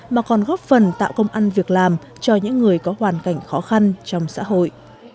mà còn góp phần tạo công ăn việc làm cho những người có hoàn cảnh khó khăn trong xã hội